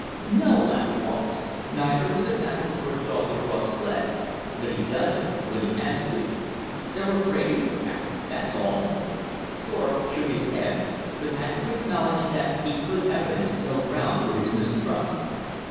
"No," laughed Wallace, "neither is it natural for a dog to draw a sledge. But he does it when he has to. They're afraid of you, Harry: that's all." Thorpe shook his head, but had to acknowledge that he could evidence no grounds for his mistrust.